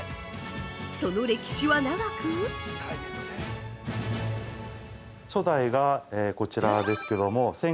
その歴史は長く◆初代が、こちらですけども。